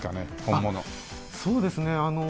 そうですね。